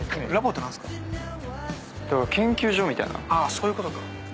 そういうことか。